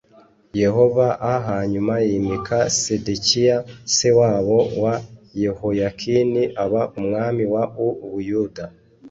Yehova a hanyuma yimika sedekiya se wabo wa yehoyakini aba umwami w u buyuda